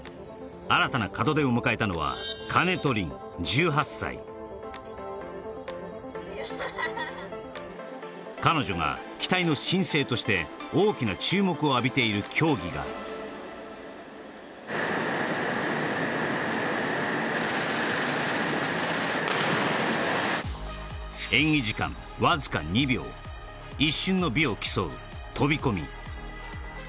新たな門出を迎えたのは彼女が期待の新星として大きな注目を浴びている競技が演技時間わずか２秒一瞬の美を競う飛込